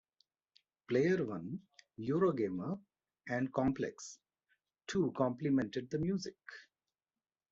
"Player One", "Eurogamer", and "Complex" too complimented the music.